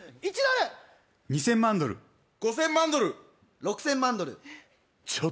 ・２０００万ドル・５０００万ドル・６０００万ドルえっ？